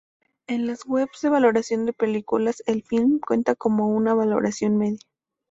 En las webs de valoración de películas, el film cuenta con una valoración media.